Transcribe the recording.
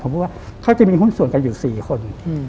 ผมพูดว่าเขาจะมีหุ้นส่วนกันอยู่๔คน